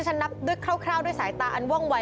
นับด้วยคร่าวด้วยสายตาอันว่องวัย